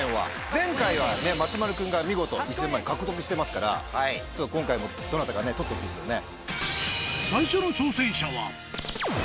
前回は松丸君が見事１０００万円獲得してますから今回もどなたか取ってほしいですよね。